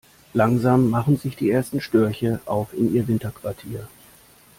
Langsam machen sich die ersten Störche auf in ihr Winterquartier.